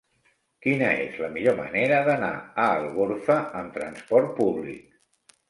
Quina és la millor manera d'anar a Algorfa amb transport públic?